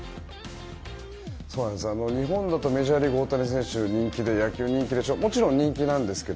日本だとメジャーリーグも大谷選手、人気で野球で人気なんですが。